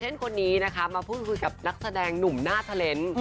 คนนี้นะคะมาพูดคุยกับนักแสดงหนุ่มหน้าเทอร์เลนส์